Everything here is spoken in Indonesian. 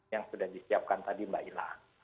yang sudah disiapkan tadi mbak ila